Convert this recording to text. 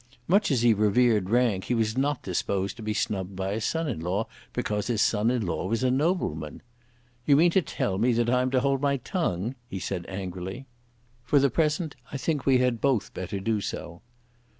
Much as he revered rank, he was not disposed to be snubbed by his son in law, because his son in law was a nobleman. "You mean to tell me that I am to hold my tongue," he said angrily. "For the present I think we had both better do so."